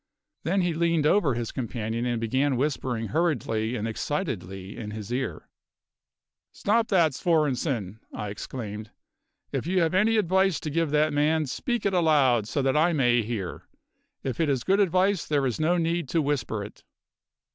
Then he leaned over his companion and began whispering hurriedly and excitedly in his ear. "Stop that, Svorenssen!" I exclaimed. "If you have any advice to give that man, speak it aloud, so that I may hear. If it is good advice there is no need to whisper it."